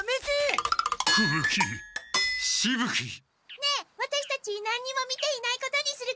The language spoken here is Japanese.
ねえワタシたち何にも見ていないことにするから。